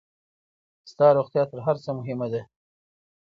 ستا روغتيا تر هر څۀ مهمه ده.